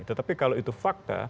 tetapi kalau itu fakta